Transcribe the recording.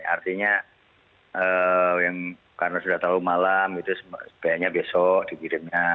artinya karena sudah tahu malam sebaiknya besok dikirimnya